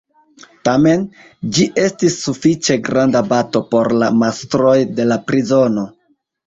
Tamen, ĝi estis sufiĉe granda bato por la mastroj de la prizono.